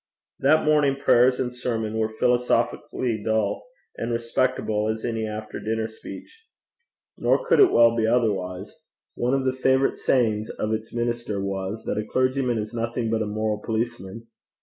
That morning prayers and sermon were philosophically dull, and respectable as any after dinner speech. Nor could it well be otherwise: one of the favourite sayings of its minister was, that a clergyman is nothing but a moral policeman.